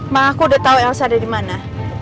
ma aku udah tau elsa ada dimana